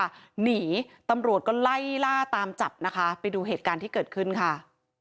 หนีตำรวจก็ไล่ล่าตามจับนะคะไปดูเหตุการณ์ที่เกิดขึ้นค่ะ